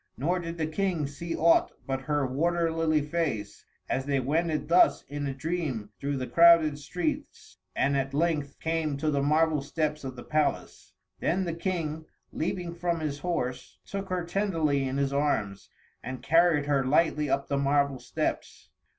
Nor did the King see aught but her water lily face as they wended thus in a dream through the crowded streets, and at length came to the marble steps of the palace. Then the King, leaping from his horse, took her tenderly in his arms and carried her lightly up the marble steps.